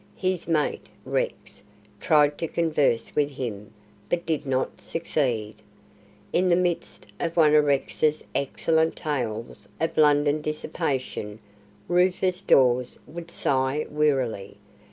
His "mate" Rex tried to converse with him, but did not succeed. In the midst of one of Rex's excellent tales of London dissipation, Rufus Dawes would sigh wearily.